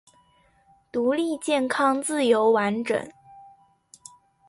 独立健康自由完整